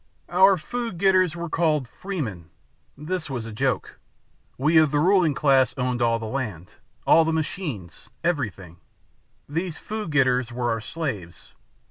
"Our food getters were called freemen. This was a joke. We of the ruling classes owned all the land, all the machines, everything. These food getters were our slaves.